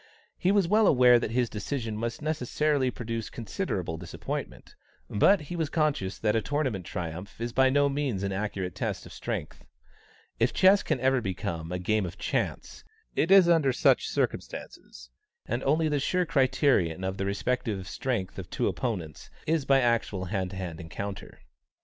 He was well aware that his decision must necessarily produce considerable disappointment, but he was conscious that a tournament triumph is by no means an accurate test of strength. If chess can ever become a game of chance, it is under such circumstances; and the only sure criterion of the respective strengths of two opponents is by actual hand to hand encounter.